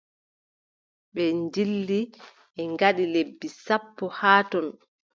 Ɓe ndilli, ɓe ngaɗi lebbi sappo haa ton.